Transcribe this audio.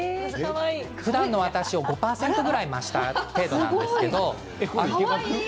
ふだんの私を５％くらい増した程度なんですが。